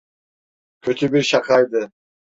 Kötü bir şakaydı.